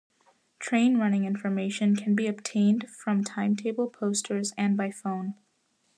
Train running information can be obtained from timetable posters and by phone.